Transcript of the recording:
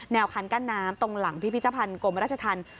คันกั้นน้ำตรงหลังพิพิธภัณฑ์กรมราชธรรม